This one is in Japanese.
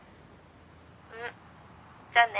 うんじゃあね。